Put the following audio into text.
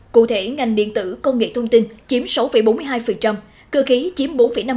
cụ thể ngành điện tử công nghệ thông tin chiếm sáu bốn mươi hai cơ khí chiếm bốn năm mươi